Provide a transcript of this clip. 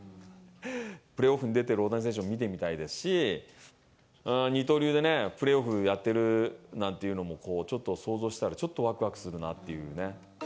プレーオフに出てる大谷選手を見てみたいですし、二刀流でね、プレーオフやってるなんていうのもちょっと想像したら、ちょっとわくわくするなっていうね。